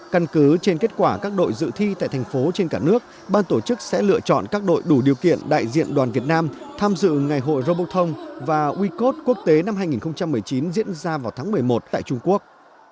căn cứ trên kết quả các đội dự thi tại thành phố trên cả nước ban tổ chức sẽ lựa chọn các đội đủ điều kiện đại diện đoàn việt nam tham dự ngày hội robotong và wecode quốc tế năm hai nghìn một mươi chín diễn ra vào tháng một mươi một tại trung quốc